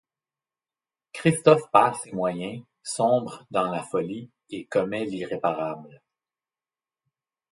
Christophe perd ses moyens, sombre dans la folie et commet l'irréparable...